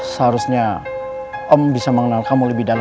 seharusnya om bisa mengenal kamu lebih dalam